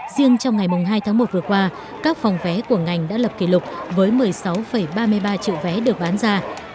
riêng trong ngày hai tháng một vừa qua các phòng vé của ngành đã lập kỷ lục với một mươi sáu ba mươi ba triệu vé được bán ra